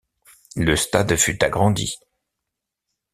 Le stade fut agrandit.